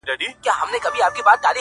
چي ملالیاني مي ور ستایلې -